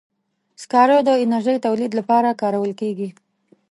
سکاره د انرژي تولید لپاره کارول کېږي.